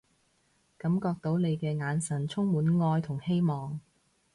感覺到你嘅眼神充滿愛同希望